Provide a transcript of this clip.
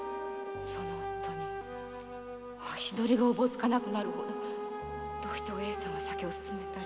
〔その夫に足どりがおぼつかなくなるほどどうしてお栄さんは酒を勧めたり？